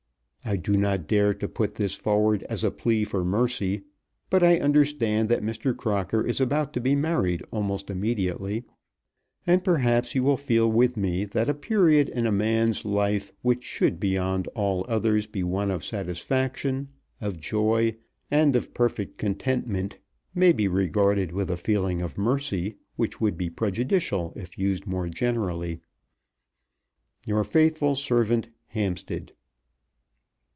I do not dare to put this forward as a plea for mercy. But I understand that Mr. Crocker is about to be married almost immediately, and, perhaps, you will feel with me that a period in a man's life which should beyond all others be one of satisfaction, of joy, and of perfect contentment, may be regarded with a feeling of mercy which would be prejudicial if used more generally. Your faithful servant, HAMPSTEAD.